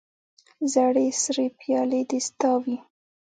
ژړې سرې پیالې دې ستا وي